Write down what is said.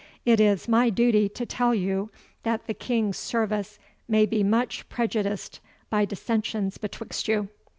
It is my duty to tell you that the King's service may be much prejudiced by dissensions betwixt you."